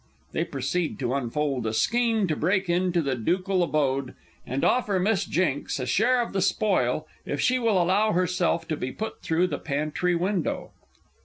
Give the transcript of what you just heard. [They proceed to unfold a scheme to break into the Ducal abode, and offer Miss J. a share of the spoil, if she will allow herself to be put through the pantry window.